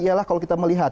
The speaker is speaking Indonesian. ialah kalau kita melihat